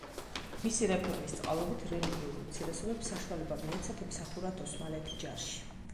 მისი რეფორმის წყალობით, რელიგიურ უმცირესობებს საშუალება მიეცათ ემსახურათ ოსმალეთი ჯარში.